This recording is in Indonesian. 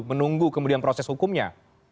menunggu kemudian proses hukumnya